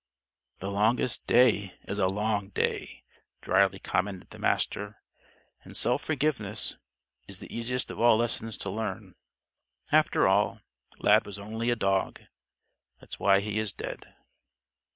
"The longest day is a long day," drily commented the Master. "And self forgiveness is the easiest of all lessons to learn. After all, Lad was only a dog. That's why he is dead."